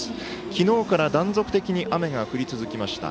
昨日から断続的に雨が降り続きました。